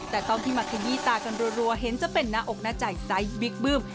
แต่ตอนที่มาขยี้ตากันรัวเห็นจะเป็นหน้าอกหน้าใจไซส์บิ๊กบึ้ม